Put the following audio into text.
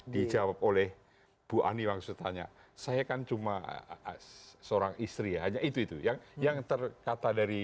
dijawab oleh ibu ani yang sudah tanya saya kan cuma seorang istri ya hanya itu itu yang terkata dari